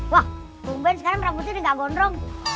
wah bung ben sekarang rambutnya udah gak gondrong